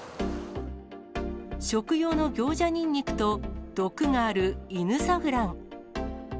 食用のギョウジャニンニクと、毒があるイヌサフラン。